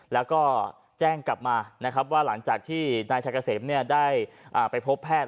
แล้วก็แจ้งกลับมานะครับว่าหลังจากที่นายชายเกษมได้ไปพบแพทย์